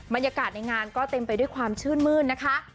บรรยากาศในงานก็เต็มไปด้วยความชื่นมื้นนะคะ